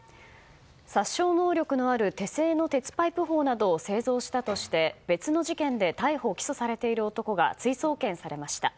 殺傷能力のある手製の鉄パイプ砲などを製造したとして別の事件で逮捕・起訴されている男が追送検されました。